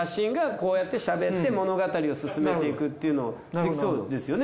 こうやってしゃべって物語を進めていくっていうのできそうですよね。